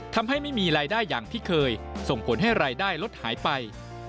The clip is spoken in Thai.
ทำให้ไม่มีรายได้อย่างที่เคยส่งผลให้รายได้ลดหายไป